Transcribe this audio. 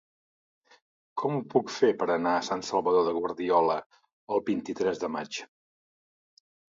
Com ho puc fer per anar a Sant Salvador de Guardiola el vint-i-tres de maig?